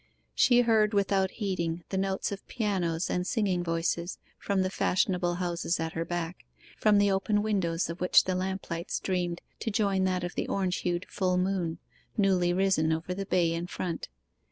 She heard, without heeding, the notes of pianos and singing voices from the fashionable houses at her back, from the open windows of which the lamp light streamed to join that of the orange hued full moon, newly risen over the Bay in front.